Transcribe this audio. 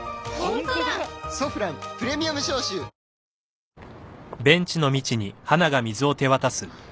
「ソフランプレミアム消臭」あっ。